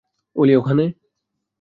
ওলি, ওখানে!